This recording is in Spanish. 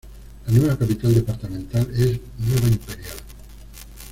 La nueva capital departamental es Nueva Imperial.